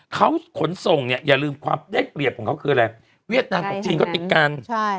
เขาขนส่งเนี่ยอย่าลืมความได้เปรียบของเขาคืออะไรเวียดนามกับจีนเขาติดกันใช่